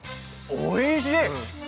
おいしい。